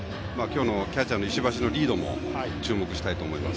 キャッチャーの石橋のリードも注目したいと思います。